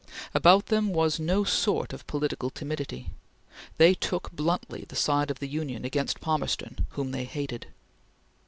About them was no sort of political timidity. They took bluntly the side of the Union against Palmerston whom they hated.